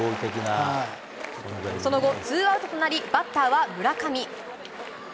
その後、ツーアウトとなり、バッターは村上。